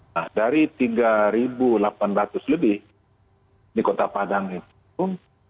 nah dari tiga delapan ratus lebih di kota padang itu